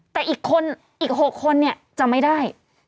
แต่อีกคนอีก๖คนเนี่ยจะไม่ได้